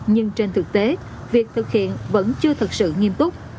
nhưng trên thực tế việc thực hiện vẫn chưa thật sự nghiêm túc